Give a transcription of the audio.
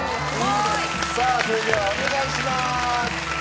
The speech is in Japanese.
さあそれではお願いします。